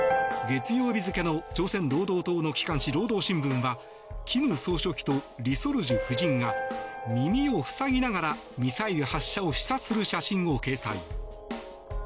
月曜日付の朝鮮労働党の機関紙労働新聞は金総書記とリ・ソルジュ夫人が耳を塞ぎながらミサイル発射を視察する写真を掲載。